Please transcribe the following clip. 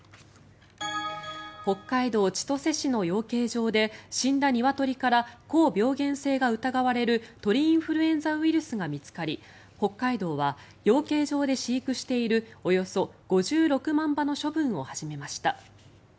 北海道千歳市の養鶏場で死んだニワトリから高病原性が疑われる鳥インフルエンザウイルスが見つかり北海道は養鶏場で飼育しているおよそ５６万羽の処分を始めました。